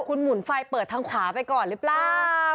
คุณหมุนไฟเปิดทางขวาไปก่อนหรือเปล่า